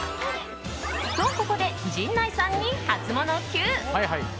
と、ここで陣内さんにハツモノＱ。